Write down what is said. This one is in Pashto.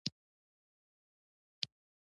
سیاسي مخالفت باید شدید وي.